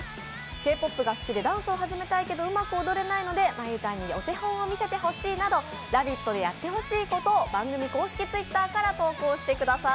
Ｋ−ＰＯＰが好きでダンスを始めたいけどうまく踊れないので真悠ちゃんにお手本を見せてほしいなど「ラヴィット！」でやってほしいことを公式Ｔｗｉｔｔｅｒから投稿してください